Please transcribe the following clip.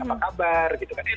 apa kabar gitu kan